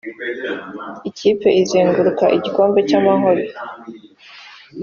Ikipe izegukana igikombe cy’Amahoro